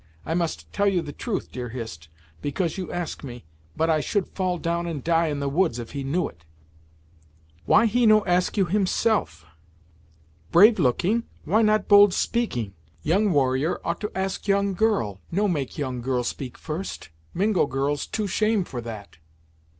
I must tell you the truth, dear Hist, because you ask me, but I should fall down and die in the woods, if he knew it!" "Why he no ask you, himself? Brave looking why not bold speaking? Young warrior ought to ask young girl, no make young girl speak first. Mingo girls too shame for that."